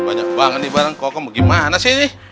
banyak banget nih barang kok gimana sih